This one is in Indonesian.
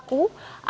apakah ada korban